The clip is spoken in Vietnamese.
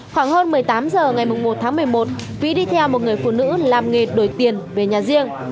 khoảng hơn một mươi tám h ngày một tháng một mươi một vĩ đi theo một người phụ nữ làm nghề đổi tiền về nhà riêng